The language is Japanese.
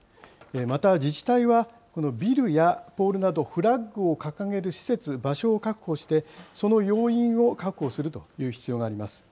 また、自治体は、このビルやポールなど、フラッグを掲げる施設、場所を確保して、その要員を確保するという必要があります。